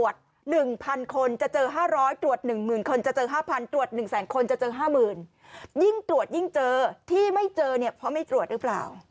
จะเจอ๕๐๐ตรวจ๑๐๐๐๐คนจะเจอ๕๐๐๐ตรวจ๑๐๐๐๐๐คนจะเจอ๕๐๐๐๐ยิ่งตรวจยิ่งเจอที่ไม่เจอเนี่ยเพราะไม่ตรวจหรือเปล่า